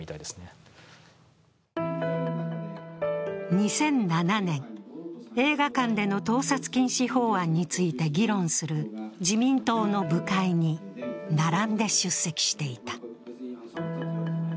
２００７年、映画館での盗撮禁止法案について議論する自民党の部会に並んで出席していた。